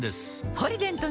「ポリデント」